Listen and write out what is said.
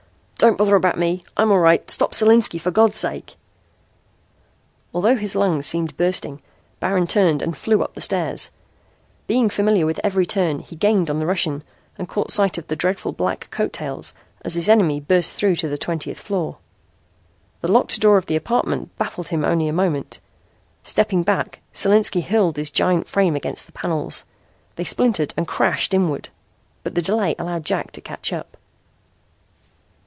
"Don't bother about me. I'm all right. Stop Solinski, for God's sake." Although his lungs seemed bursting Baron turned and flew up the stairs. Being familiar with every turn, he gained on the Russian and caught sight of the dreadful black coat tails as his enemy burst through to the twentieth floor. The locked door of the apartment baffled him only a moment. Stepping back, Solinski hurled his giant frame against the panels. They splintered and crashed inward. But the delay allowed Jack to catch up.